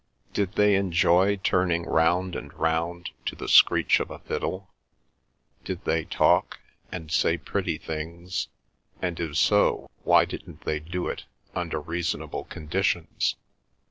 Did they enjoy turning round and round to the screech of a fiddle? Did they talk, and say pretty things, and if so, why didn't they do it, under reasonable conditions?